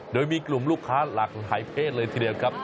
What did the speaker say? โดยมีกลุ่มลูกค้าหลากหลายเพศเลยทีเดียวครับ